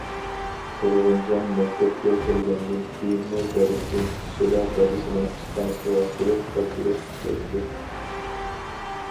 تۇرغۇنجان مەكتەپكە كىرگەندىن كېيىنمۇ دەرستىن چۈشسىلا دادىسىنىڭ ئىشخانىسىغا كىرىپ تاپشۇرۇق ئىشلەيتتى.